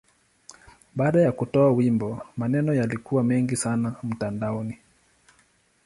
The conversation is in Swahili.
Baada ya kutoa wimbo, maneno yalikuwa mengi sana mtandaoni.